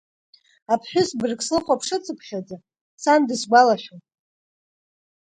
Аԥҳәыс бырг слыхәаԥшыцыԥхьаӡа, сан дысгәалашәон.